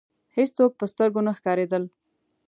هېڅوک په سترګو نه ښکاریدل.